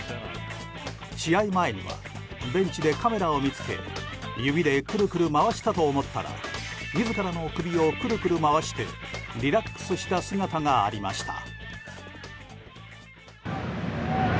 試合前にはベンチでカメラを見つけ指でくるくる回したと思ったら自らの首をくるくる回してリラックスした姿がありました。